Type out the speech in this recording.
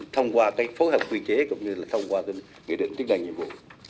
thông qua phối hợp quy chế cũng như là thông qua nghị định chức năng nhiệm vụ